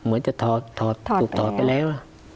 เหมือนจะถอดถูกถอดไปแล้ว